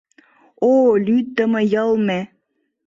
О лӱддымӧ йылме!